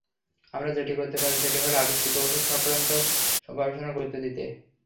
আমরা যেটি করতে পারি সেটি হলো, আবিষ্কৃত ওষুধসংক্রান্ত গবেষণায় গুরুত্ব দিতে।